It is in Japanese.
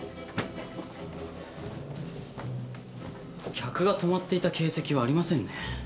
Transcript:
客が泊まっていた形跡はありませんね。